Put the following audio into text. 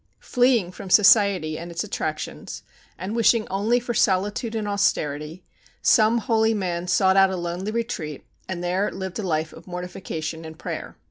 Fleeing from society and its attractions, and wishing only for solitude and austerity, some holy man sought out a lonely retreat, and there lived a life of mortification and prayer.